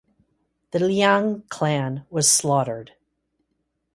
The Liang clan was slaughtered.